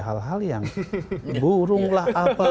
hal hal yang burung lah apa